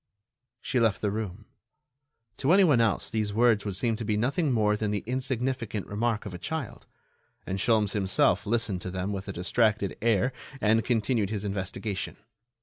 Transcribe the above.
She left the room. To anyone else these words would seem to be nothing more than the insignificant remark of a child, and Sholmes himself listened to them with a distracted air and continued his investigation.